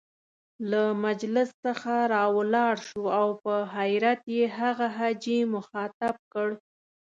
له مجلس څخه را ولاړ شو او په حيرت يې هغه حاجي مخاطب کړ.